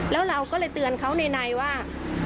แล้วเราก็เลยเตือนเขาในว่า